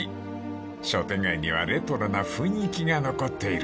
［商店街にはレトロな雰囲気が残っている］